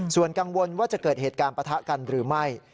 ส่วนกังวลว่าจะเกิดเหตุการณ์ปะทะกันหรือไม่